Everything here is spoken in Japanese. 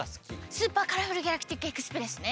「スーパーカラフルギャラクティックエクスプレス」ね。